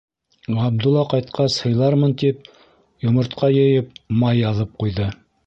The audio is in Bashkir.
Ғабдулла ҡайтҡас һыйлармын тип, йомортҡа йыйып, май яҙып ҡуйҙы.